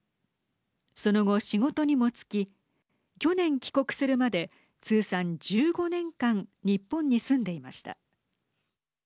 その後、仕事にも就き去年帰国するまで通算１５年間日本に住んでいました。